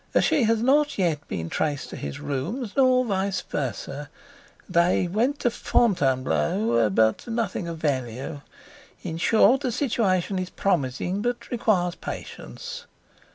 She has not yet been traced to his rooms, nor vice versa. They went to Fontainebleau—but nothing of value. In short, the situation is promising, but requires patience."